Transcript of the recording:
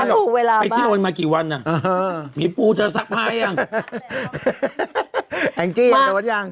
มาถูกเวลาบ้างไปเที่ยวไว้มากี่วันอ่ะหิวปูเจอซักผ้ายังหังจี้อ่ะโดดยัง